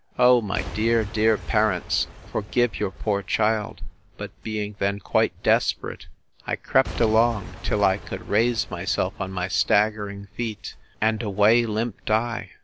O my dear, dear parents, forgive your poor child; but being then quite desperate, I crept along, till I could raise myself on my staggering feet; and away limped I!